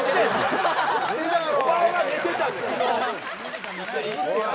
お前は寝てただろ！